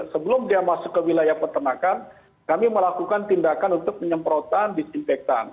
sebelum dia masuk ke wilayah peternakan kami melakukan tindakan untuk penyemprotan disinfektan